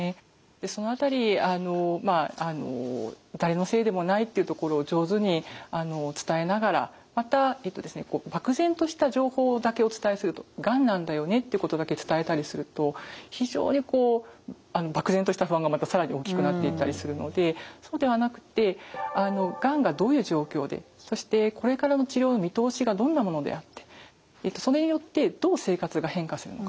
その辺り誰のせいでもないっていうところを上手に伝えながらまた漠然とした情報だけお伝えすると「がんなんだよね」ってことだけ伝えたりすると非常に漠然とした不安がまた更に大きくなっていったりするのでそうではなくってがんがどういう状況でそしてこれからの治療の見通しがどんなものであってそれによってどう生活が変化するのか。